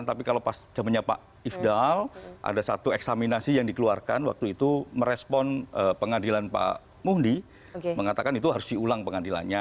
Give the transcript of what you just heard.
tapi kalau pas zamannya pak ifdal ada satu eksaminasi yang dikeluarkan waktu itu merespon pengadilan pak muhdi mengatakan itu harus diulang pengadilannya